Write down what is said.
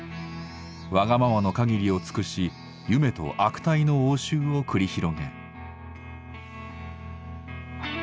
わがままの限りを尽くしゆめと悪態の応酬を繰り広げる。